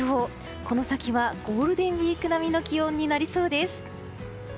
この先はゴールデンウィーク並みの気温になりそうです。